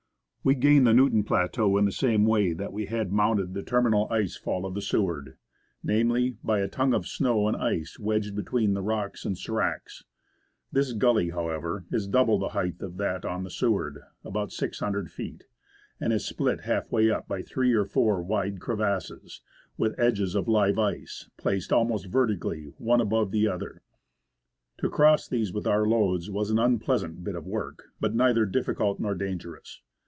We gained the Newton plateau in the same way that we had mounted the terminal ice fall of the Seward ; namely, by a tongue of snow and ice wedged between the rocks and sdracs. This gully, however, is double the height of that on the Seward (about 600 feet), and is split half way up by three or four wide crevasses, with edges of live ice, placed almost vertically one above the other. To cross these with our loads was an unpleasant bit of work, but neither difficult nor dangerous.